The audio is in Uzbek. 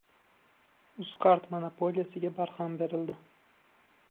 «Uzcard» monopoliyasiga barham beriladi